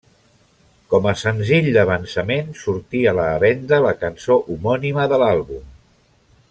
Com a senzill d'avançament sortí a la venda la cançó homònima de l'àlbum.